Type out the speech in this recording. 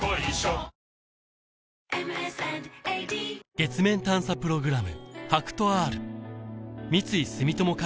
月面探査プログラム